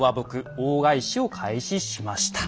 大返しを開始しました。